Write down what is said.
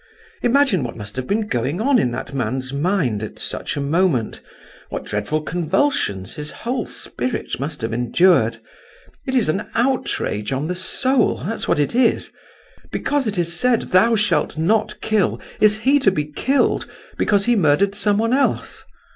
Imagine what must have been going on in that man's mind at such a moment; what dreadful convulsions his whole spirit must have endured; it is an outrage on the soul that's what it is. Because it is said 'thou shalt not kill,' is he to be killed because he murdered some one else?